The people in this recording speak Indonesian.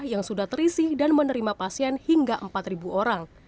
yang sudah terisi dan menerima pasien hingga empat orang